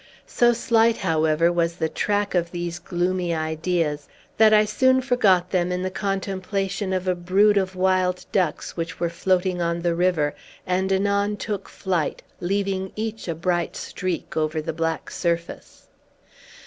So slight, however, was the track of these gloomy ideas, that I soon forgot them in the contemplation of a brood of wild ducks, which were floating on the river, and anon took flight, leaving each a bright streak over the black surface.